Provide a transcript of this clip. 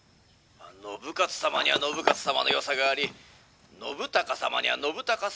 「信雄様には信雄様のよさがあり信孝様には信孝様のよさがあるかと」。